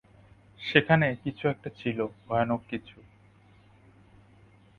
সেখানে কিছু একটা ছিল, ভয়ানক কিছু।